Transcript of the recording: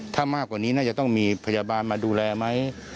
ถ้ามากกว่านี้น่าจะต้องมีพยาบาลมาดูแลไหม